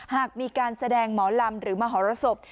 หากมีการแสดงหมอลำหรือมหรสบ